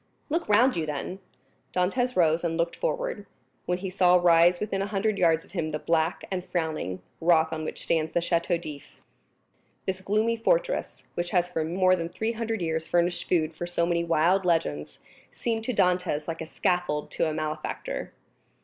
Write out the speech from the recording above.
"Look round you then." Dantès rose and looked forward, when he saw rise within a hundred yards of him the black and frowning rock on which stands the Château d'If. This gloomy fortress, which has for more than three hundred years furnished food for so many wild legends, seemed to Dantès like a scaffold to a malefactor.